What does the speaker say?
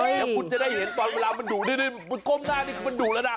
อย่างคุณจะได้เห็นตอนเวลามันดุดูดูดูมันก้มหน้านี้มันดุแล้วนะ